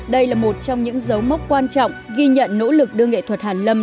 đây là một trong những dấu mốc quan trọng ghi nhận nỗ lực đưa nghệ thuật hàn lâm